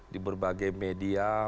di berbagai media